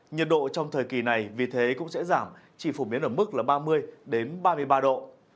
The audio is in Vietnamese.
nhiệt độ trong thời kỳ này vì thế cũng sẽ giảm chỉ phổ biến ở mức là ba mươi ba mươi ba độ